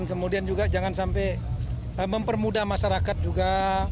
kemudian juga jangan sampai mempermudah masyarakat juga